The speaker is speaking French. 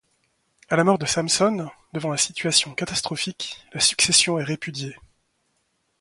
À la mort de Samson, devant la situation catastrophique, la succession est répudiée.